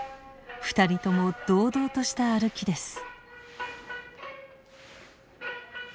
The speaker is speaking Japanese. ２人とも堂々とした歩きです。